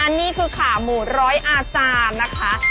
อันนี้คือขาหมูร้อยอาจารย์นะคะ